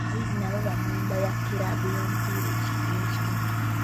Abayizi nabo ba mmemba ba kiraabu y'omupiira ey'ekitundu.